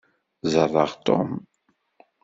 Ẓeṛṛeɣ Tom.